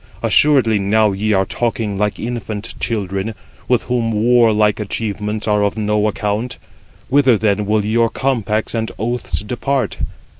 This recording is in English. assuredly now ye are talking like infant children, with whom warlike achievements are of no account. Whither then will your compacts and oaths depart?